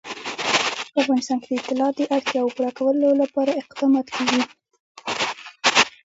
په افغانستان کې د طلا د اړتیاوو پوره کولو لپاره اقدامات کېږي.